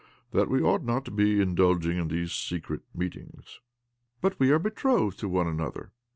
" That we ought not to be indulging in these secret meetings." " But we are betrothed to one another?